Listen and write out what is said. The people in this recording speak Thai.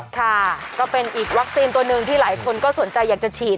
ค่ะก็เป็นอีกวัคซีนตัวหนึ่งที่หลายคนก็สนใจอยากจะฉีด